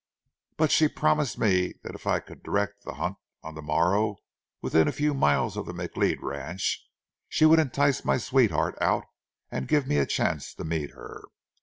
But she promised me that if I could direct the hunt on the morrow within a few miles of the McLeod ranch, she would entice my sweetheart out and give me a chance to meet her.